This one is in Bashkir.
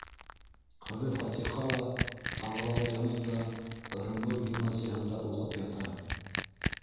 Ҡыҙы Фатиха ла ағалары янында — Ырымбур гимназияһында уҡып ята.